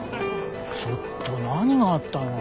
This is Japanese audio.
ちょっと何があったの？